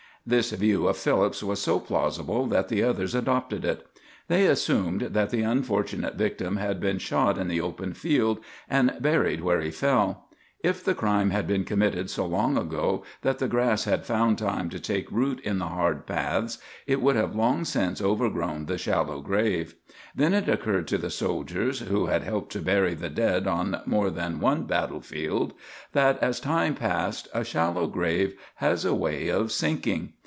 This view of Philip's was so plausible that the others adopted it. They assumed that the unfortunate victim had been shot in the open field, and buried where he fell. If the crime had been committed so long ago that the grass had found time to take root in the hard paths, it would have long since overgrown the shallow grave. Then it occurred to the soldiers, who had helped to bury the dead on more than one battle field, that as time passes a shallow grave has a way of sinking.